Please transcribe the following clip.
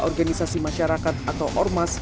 organisasi masyarakat atau ormas